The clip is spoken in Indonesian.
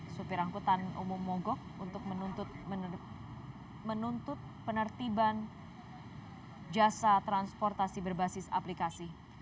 supir angkutan umum mogok untuk menuntut penertiban jasa transportasi berbasis aplikasi